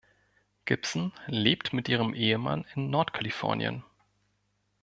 Gibson lebt mit ihrem Ehemann in Nordkalifornien.